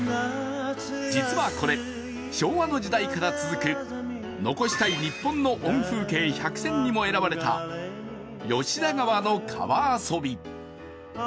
実はこれ、昭和の時代から続く残したい日本の音風景１００選にも選ばれた吉田川の川遊び。